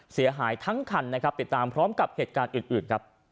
เสียหายทั้งคันติดตามพร้อมกับเหตุการณ์อื่น